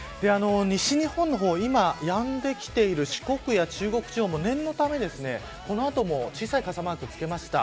西日本の方今やんできている四国や中国地方も念のためこの後も小さい傘マークをつけました。